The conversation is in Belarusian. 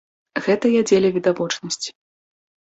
Гэта я дзеля відавочнасці.